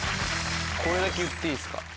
これだけ言っていいですか。